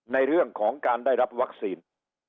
ในเรื่องของการได้รับวัคซีน